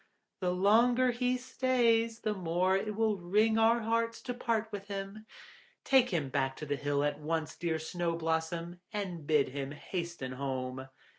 "The longer he stays, the more it will wring our hearts to part with him. Take him back to the hill at once, dear Snow blossom, and bid him hasten home."